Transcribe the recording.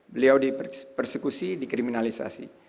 beliau dipersekusi dikriminalisasi